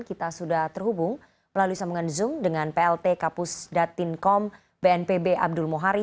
kita sudah terhubung melalui sambungan zoom dengan plt kapus datin kom bnpb abdul muhari